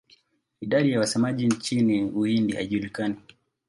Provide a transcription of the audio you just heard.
Idadi ya wasemaji nchini Uhindi haijulikani.